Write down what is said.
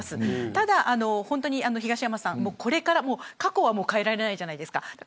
ただ、東山さんは、これから過去は、もう変えられないじゃないですか。